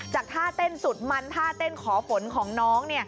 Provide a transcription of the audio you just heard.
ท่าเต้นสุดมันท่าเต้นขอฝนของน้อง